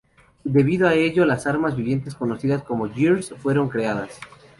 Debido a ello las armas vivientes conocidas como "Gears" fueron creadas.